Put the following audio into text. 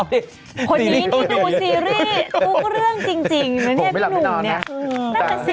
คนนี้ที่ดูซีรีส์ทุกเรื่องจริงพี่หนุ่มเนี่ย